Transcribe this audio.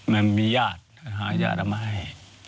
มันมีญาติหายาดเอามาให้